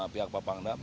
pihak pak pangdam